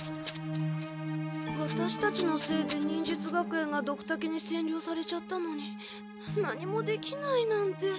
ワタシたちのせいで忍術学園がドクタケにせんりょうされちゃったのに何もできないなんて。